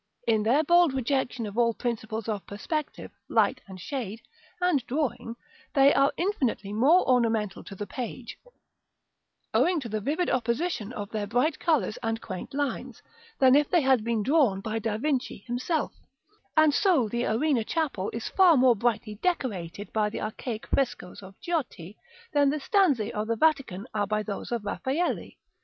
In their bold rejection of all principles of perspective, light and shade, and drawing, they are infinitely more ornamental to the page, owing to the vivid opposition of their bright colors and quaint lines, than if they had been drawn by Da Vinci himself: and so the Arena chapel is far more brightly decorated by the archaic frescoes of Giotti, than the Stanze of the Vatican are by those of Raffaelle.